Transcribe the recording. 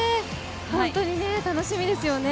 本当に楽しみですよね。